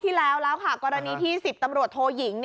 ที่แล้วแล้วค่ะกรณีที่๑๐ตำรวจโทยิง